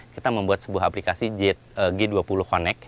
kita membuat sebuah aplikasi g dua puluh connect